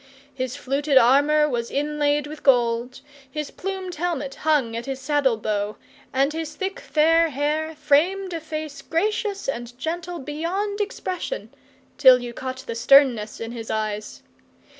His fluted armour was inlaid with gold, his plumed helmet hung at his saddle bow, and his thick fair hair framed a face gracious and gentle beyond expression till you caught the sternness in his eyes.